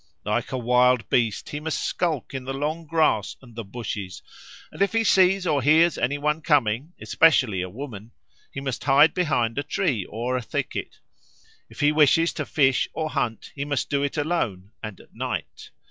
Like a wild beast he must skulk in the long grass and the bushes; and if he sees or hears any one coming, especially a woman, he must hide behind a tree or a thicket. If he wishes to fish or hunt, he must do it alone and at night.